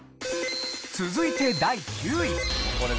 続いて第９位。